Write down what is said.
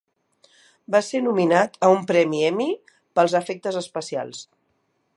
Va ser nominat a un premi Emmy per els efectes especials.